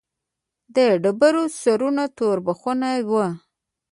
د ډبرو سرونه توربخوني وو.